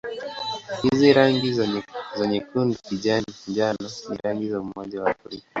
Hizi rangi za nyekundu-kijani-njano ni rangi za Umoja wa Afrika.